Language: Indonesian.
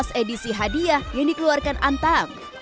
atas edisi hadiah yang dikeluarkan antam